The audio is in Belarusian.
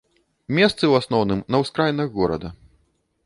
Месцы ў асноўным на ўскраінах горада.